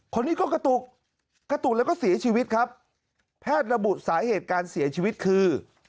คนนี้ก็กระตุกกระตุกแล้วก็เสียชีวิตครับแพทย์ระบุสาเหตุการเสียชีวิตคือ